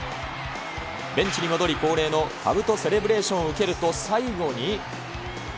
ベンチに戻り、恒例のかぶとセレブレーションを受けると最後に。